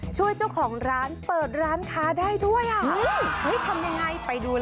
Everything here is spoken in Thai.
ช่วยเจ้าของร้านเปิดร้านค้าได้ด้วย